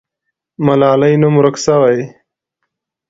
ملالۍ نوم ورک سو.